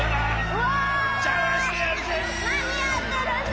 なにやってるんだ！？